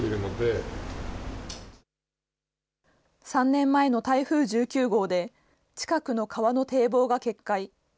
３年前の台風１９号で、近くの川の堤防が決壊。